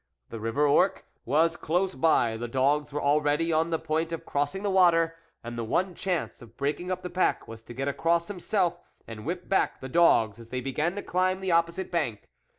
The river Ourcq was close by, the dogs were already on the point of crossing the water, and the one chance of breaking up the pack was to get across himself and whip back the dogs as they began to climb the opposite bank.